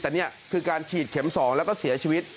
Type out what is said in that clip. แต่นี่คือการฉีดเข็ม๒แล้วก็เสียชีวิต